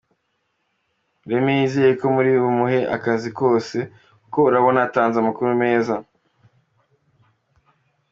com , Remi nizereko muri bumuhe akazi rwose!kuko urabona atanze amakuru meza.